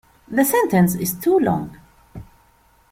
The sentence is too long.